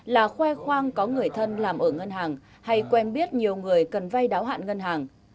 là khoe khoang có người thân làm ở ngân hàng hay quen biết nhiều người cần vay đáo hạn ngân hàng